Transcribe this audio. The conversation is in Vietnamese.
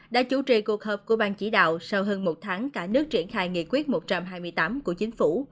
đã chủ trì cuộc họp của bang chỉ đạo sau hơn một tháng cả nước triển khai nghị quyết một trăm hai mươi tám của chính phủ